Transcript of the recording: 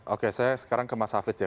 oke saya sekarang ke mas hafiz ya